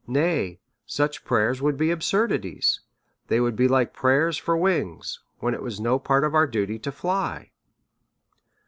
Nay, such prayers would be absurdities ; they would be like prayers for wings when it was no part of our duty to fly.